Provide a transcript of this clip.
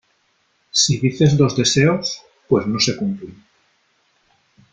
si dices dos deseos , pues no se cumplen .